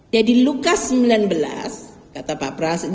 jadi lukas sembilan belas kata pak prast